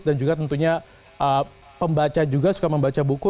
dan juga tentunya pembaca juga suka membaca buku